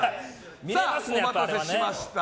お待たせしました。